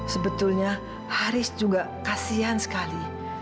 sebetulnya haris juga kasian sekali